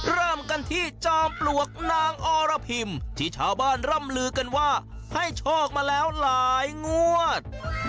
เริ่มกันที่จอมปลวกนางอรพิมที่ชาวบ้านร่ำลือกันว่าให้โชคมาแล้วหลายงวด